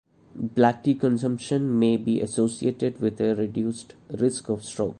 Black tea consumption may be associated with a reduced risk of stroke.